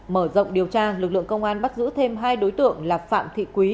mở rộng điều tra lực lượng công an bắt giữ thêm hai đối tượng là phạm thị quý